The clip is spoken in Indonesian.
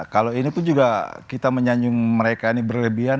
kalau ini pun juga kita menyanjung mereka ini berlebihan